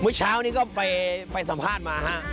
เมื่อเช้านี้ก็ไปสัมภาษณ์มาฮะ